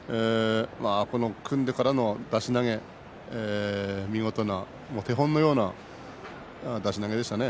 組んでからの出し投げ見事な、お手本のような出し投げでしたね。